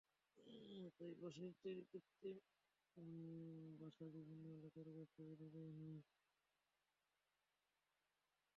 তাই বাঁশের তৈরি কৃত্রিম বাসা বিভিন্ন এলাকার গাছে বেঁধে দেওয়া হচ্ছে।